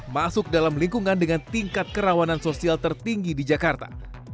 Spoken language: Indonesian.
masuk dalam lingkungan dengan tingkat kerawanan sosial tertinggi di jakarta